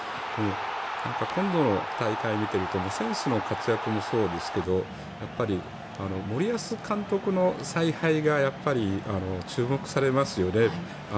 今度の大会を見ていると選手の活躍もそうですが森保監督の采配が注目されますよね。